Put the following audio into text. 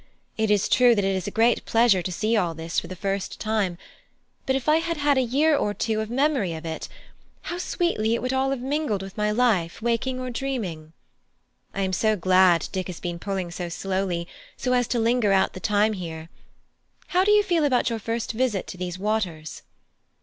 It is true that it is a great pleasure to see all this for the first time; but if I had had a year or two of memory of it, how sweetly it would all have mingled with my life, waking or dreaming! I am so glad Dick has been pulling slowly, so as to linger out the time here. How do you feel about your first visit to these waters?"